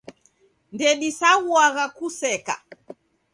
Ndedisaghuagha kuseka.